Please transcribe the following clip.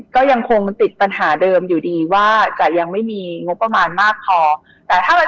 ก็ยังติดปัญหาเดิมอยู่ดีว่าจะไม่มีงบประมาณมากทอด